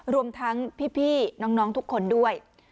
รวมทั้งพี่น้องทุกคนด้วย